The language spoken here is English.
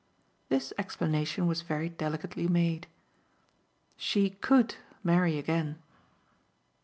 This explanation was very delicately made. "She COULD marry again."